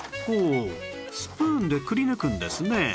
ほうスプーンでくり抜くんですね